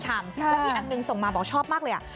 แล้วมีอันหนึ่งส่งมาบอกชอบมากเลย